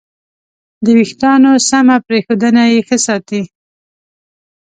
د وېښتیانو سمه پرېښودنه یې ښه ساتي.